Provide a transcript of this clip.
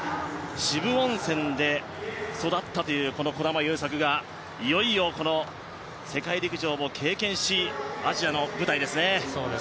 温泉で育ったというこの児玉がいよいよ世界陸上を経験しアジアの舞台ですね。